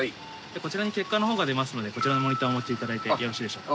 こちらに結果の方が出ますのでこちらのモニターお持ちいただいてよろしいでしょうか？